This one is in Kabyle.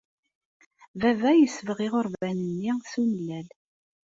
Baba yesbeɣ iɣerban-nni s umellal.